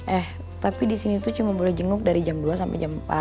eh tapi disini tuh cuma boleh jenguk dari jam dua sampe jam empat